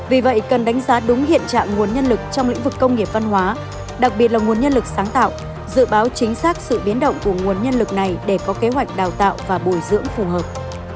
vì vậy cần đánh giá đúng hiện trạng nguồn nhân lực trong lĩnh vực công nghiệp văn hóa đặc biệt là nguồn nhân lực sáng tạo dự báo chính xác sự biến động của nguồn nhân lực này để có kế hoạch đào tạo và bồi dưỡng phù hợp